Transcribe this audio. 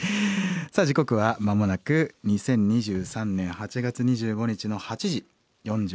さあ時刻は間もなく２０２３年８月２５日の８時４８分３５秒。